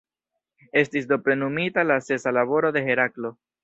Estis do plenumita la sesa laboro de Heraklo.